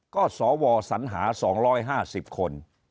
ก็สวสัญหา๒๕๐คน